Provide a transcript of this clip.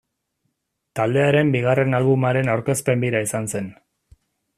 Taldearen bigarren albumaren aurkezpen bira izan zen.